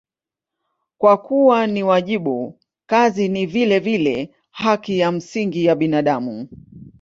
Kwa kuwa ni wajibu, kazi ni vilevile haki ya msingi ya binadamu.